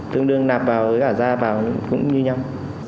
tương đương nạp vào với cả ra vào cũng như nhau